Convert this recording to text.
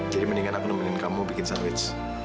jadi mendingan aku nemenin kamu bikin sandwich